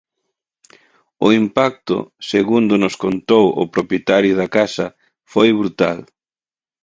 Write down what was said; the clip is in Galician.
O impacto, segundo nos contou o propietario da casa, foi brutal.